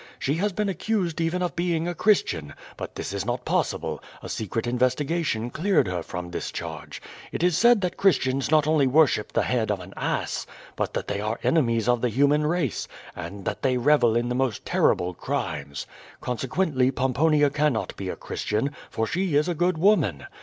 She has been accused even of being a Christian, but this is not possible; a secret investigation cleared her from this charge. It is said that Christians not only worship the head of an ass, but that they are enemies of the human race, and that they revel in the most terrible crimes. Consequently Pomponia cannot be a Christian, for she is a good woman.